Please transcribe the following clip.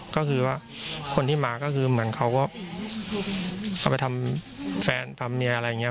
ก็คือว่าคนที่มาก็คือเหมือนเขาก็เขาไปทำแฟนทำเมียอะไรอย่างนี้